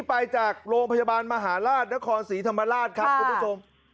ไปจากโรงพยาบาลมหาราชนครศรีธรรมราชครับคุณผู้ชม